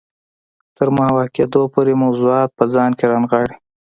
تر محوه کېدو پورې موضوعات په ځان کې رانغاړي.